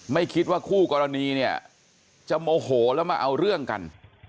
ไม่คิดว่าคู่กรณีเนี่ยจะโมโหแล้วมาเอาเรื่องกัน